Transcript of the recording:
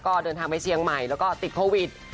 ก็เดินทางไปเชียงใหม่แล้วก็ติดโควิด